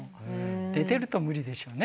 寝てると無理でしょうね。